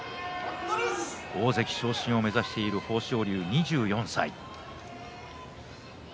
大関昇進を目指している豊昇龍２４歳。